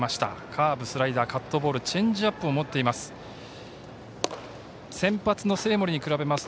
カーブスライダー、カットボールチェンジアップも持っています。